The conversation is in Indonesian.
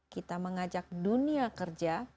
kita mengajak dunia kerja